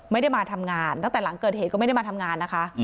ไม่ได้มาทำงานตั้งแต่หลังเกิดเหตุก็ไม่ได้มาทำงานนะคะ